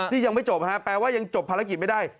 ที่ยังไม่จบแปลว่ายังจบภารกิจไม่ได้